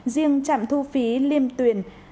riêng trạm thu phí liêm tuyển